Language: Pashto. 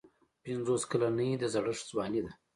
پنځوس کلني د زړښت ځواني ده.